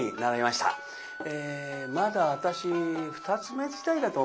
まだ私二ツ目時代だと思います。